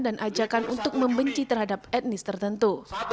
dan ajakan untuk membenci terhadap etnis tertentu